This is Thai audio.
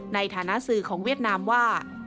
ในฐานะสื่อของเวียดนามว่า